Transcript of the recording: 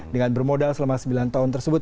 dengan bermodal selama sembilan tahun tersebut